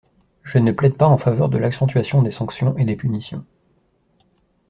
Je ne plaide pas en faveur de l’accentuation des sanctions et des punitions.